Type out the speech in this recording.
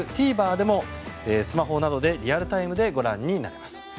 ＴＶｅｒでもスマホなどでリアルタイムでご覧になれます。